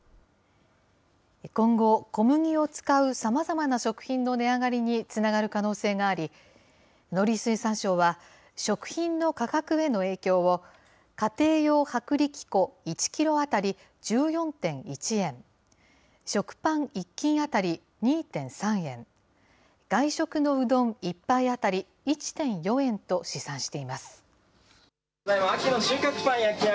今後、小麦を使うさまざまな食品の値上がりにつながる可能性があり、農林水産省は、食品の価格への影響を、家庭用薄力粉１キロ当たり１４．１円、食パン１斤当たり２．３円、外食のうどん１杯当たり１．４円と試算しています。